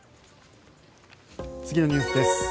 次のニュースです。